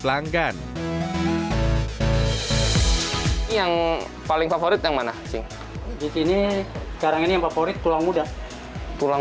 pelanggan yang paling favorit yang mana sih disini sekarang ini yang favorit tulang muda tulang